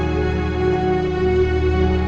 kau mau ngapain